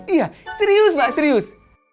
iya serius ma serius